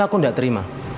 aku nggak terima